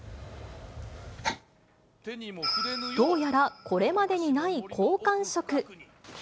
どうやらこれまでにない好感触。